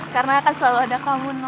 karena akan selalu ada kamu no